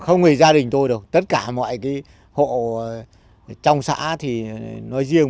không phải gia đình tôi đâu tất cả mọi hộ trong xã thì nói riêng